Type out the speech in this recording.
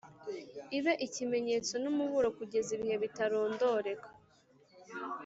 ibe ikimenyetso n’umuburo kugeza ibihe bitarondoreka,